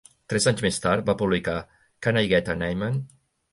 Tres anys més tard, va publicar "Can I Get an Amen".